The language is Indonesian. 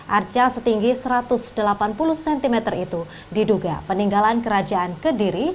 arca setinggi satu ratus delapan puluh cm itu diduga peninggalan kerajaan kediri